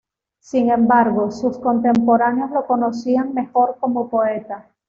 Sin embargo, sus contemporáneos lo conocían mejor como poeta.